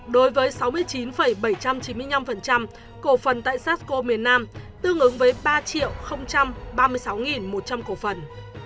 đối với sáu mươi chín bảy trăm chín mươi năm cổ phần tại sasco miền nam tương ứng với ba ba mươi sáu một trăm linh cổ phần